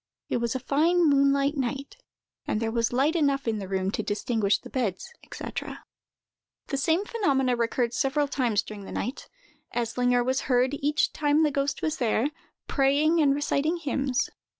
It was a fine moonlight night, and there was light enough in the room to distinguish the beds, &c. The same phenomena recurred several times during the night: Eslinger was heard, each time the ghost was there, praying and reciting hymns.